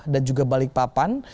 dan juga balikpapan